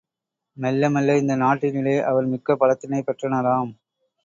மெல்ல மெல்ல இந்த நாட்டினிலே அவர் மிக்க பலத்தினைப் பெற்றனராம்.